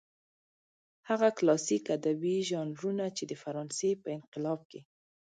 هغه کلاسلیک ادبي ژانرونه چې د فرانسې په انقلاب کې.